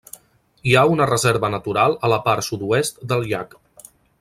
Hi ha una reserva natural a la part sud-oest del llac.